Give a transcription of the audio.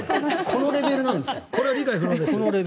このレベルなんですよ。